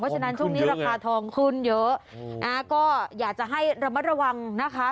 ฉะนั้นช่วงนี้ราคาทองขึ้นเยอะก็อยากจะให้ระมัดระวังนะคะ